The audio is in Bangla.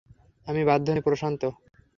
আমি বাধ্য নই, প্রশান্ত।